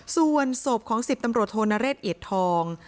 ส่วนศพของ๑๐ตำรวจโทรฤทธิ์อิตทอง